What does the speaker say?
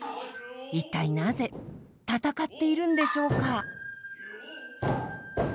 一体なぜ戦っているんでしょうか？